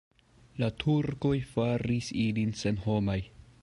La turkoj faris ilin senhomaj.